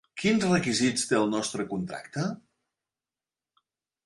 Quins requisits té el nostre contracte?